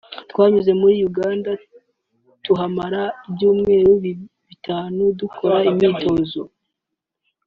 twanyuze muri Uganda tuhamara ibyumweru bitatu dukora imyitozo